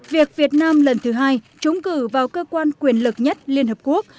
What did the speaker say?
việc việt nam lần thứ hai trúng cử vào cơ quan quyền lực nhất liên hợp quốc